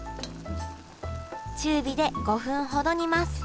中火で５分ほど煮ます